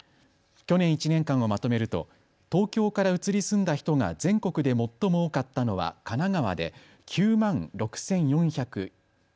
去年１年間をまとめると東京から移り住んだ人が全国で最も多かったのは神奈川で９万６４４６人。